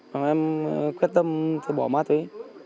mấy em quyết tâm bỏ ma túy